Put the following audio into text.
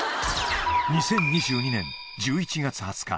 ２０２２年１１月２０日。